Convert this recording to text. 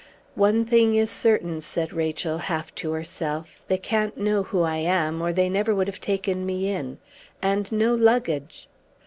"One thing is certain," said Rachel, half to herself: "they can't know who I am, or they never would have taken me in. And no luggage!"